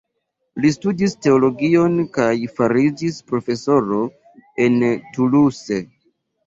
Li studis teologion kaj fariĝis profesoro en Toulouse.